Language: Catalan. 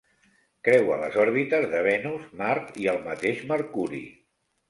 Creua les òrbites de Venus, Mart i el mateix Mercuri.